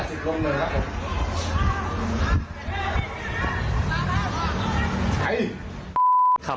เออ๕๐คนเลยครับ